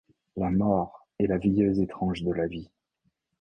La mort est la veilleuse étrange de la vie